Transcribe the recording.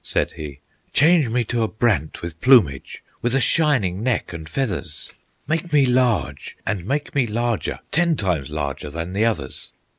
said he, "Change me to a brant with plumage, With a shining neck and feathers, Make me large, and make me larger, Ten times larger than the others."